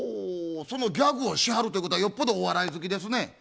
そのギャグをしはるということはよっぽどお笑い好きですね。